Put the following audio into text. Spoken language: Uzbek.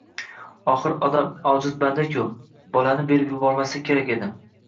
Axir odam ojiz banda-ku… “Bolani berib yubormaslik kerak edi…